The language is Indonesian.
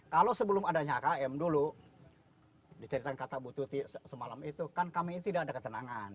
kalau sebelum adanya km dulu diceritakan kata bu tuti semalam itu kan kami ini tidak ada ketenangan